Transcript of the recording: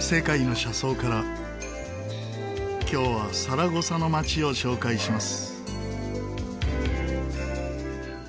今日はサラゴサの町を紹介します。